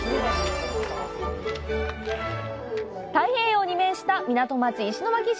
太平洋に面した港町、石巻市。